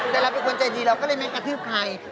แต่เราเป็นคนใจดีเราก็เลยไม่กระทืบใคร